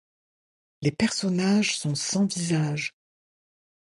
Les personnages sont sans visages.